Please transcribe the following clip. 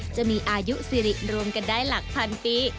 จะมีอายุสิริรวมกันได้หลักพันปี